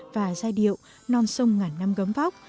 và giai điệu non sông ngàn năm gấm vóc